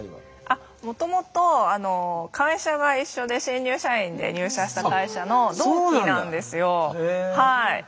あっもともと会社が一緒で新入社員で入社した会社の同期なんですよ。